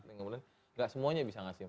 kemudian nggak semuanya bisa ngasih